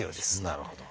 なるほど。